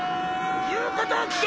言うことを聞け！